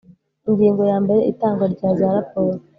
Ingingo ya mbere Itangwa rya za raporo